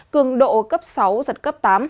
cường độ cấp sáu giật cấp tám